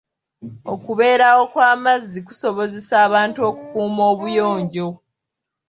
Okubeerawo kw'amazzi kusobozesa abantu okukuuma obuyonjo.